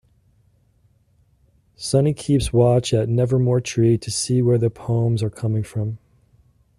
Sunny keeps watch at Nevermore Tree to see where the poems are coming from.